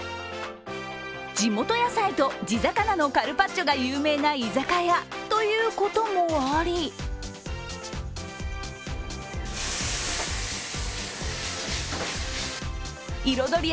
地元野菜と地魚のカルパッチョが有名な居酒屋ということもあり彩り